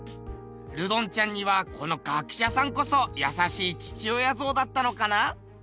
ルドンちゃんにはこの学者さんこそ優しい父親像だったのかな？